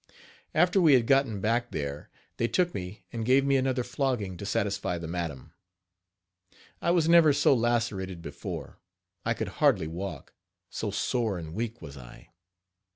After we had gotten back there, they took me and gave me another flogging to satisfy the madam. I was never so lacerated before. I could hardly walk, so sore and weak was I.